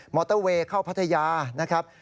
อเตอร์เวย์เข้าพัทยานะครับ